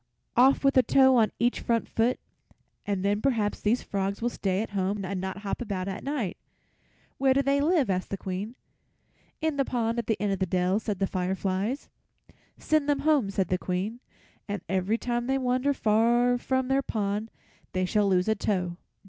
"Off with a toe on each front foot, and then perhaps these frogs will stay at home and not hop about at night. Where do they live?" asked the Queen. "In the pond at the end of the dell," said the fireflies. "Send them home," said the Queen, "and every time they wander far from their pond they shall lose a toe."